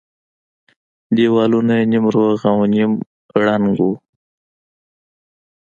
دېوالونه يې نيم روغ او نيم ړنگ وو.